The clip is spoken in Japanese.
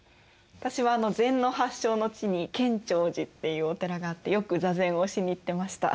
私は禅の発祥の地に建長寺っていうお寺があってよく座禅をしに行ってました。